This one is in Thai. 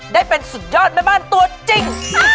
ได้เป็นสุดยอดแม่บ้านตัวจริง